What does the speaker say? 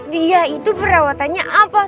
dia itu perawatannya apa